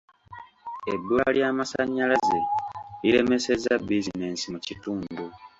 Ebbula ly'amasannyalaze liremesezza bizinensi mu kitundu.